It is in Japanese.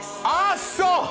あっそう！